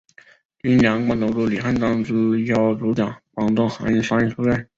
应两广总督李瀚章之邀主讲广东韩山书院。